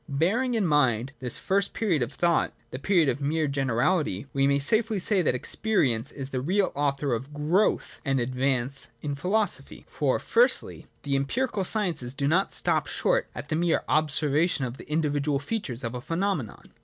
Bearing in mind this first period of thought, the period of mere generality, we may safely say that experience is the real author oi growth and advance in philosophy. For, firstly, the empirical sciences do not stop short at the mere observation of the individual features of a phenomenon.